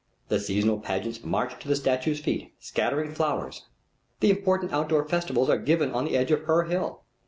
The seasonal pageants march to the statue's feet, scattering flowers. The important outdoor festivals are given on the edge of her hill.